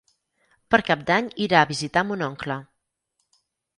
Per Cap d'Any irà a visitar mon oncle.